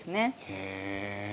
へえ。